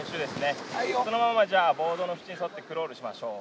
そのままボードの縁に沿ってクロールしましょう。